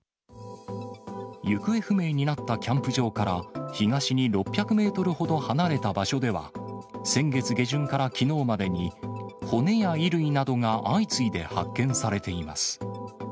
行方不明になったキャンプ場から東に６００メートルほど離れた場所では、先月下旬からきのうまでに、骨や衣類などが相次いで発見されています。